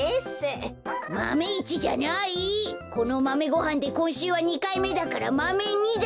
このマメごはんでこんしゅうは２かいめだからマメ２だ！